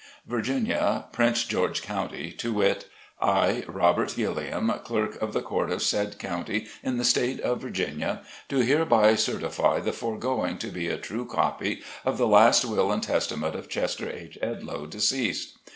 VIRGINIA — Prince George County, to wit: I, ROBERT GILLIAM, Clerk of the Court of said county, in the State of Virginia, do hereby cer tify the foregoing to be a true copy of the last Will and Testament of Carter H. Edloe, deceased.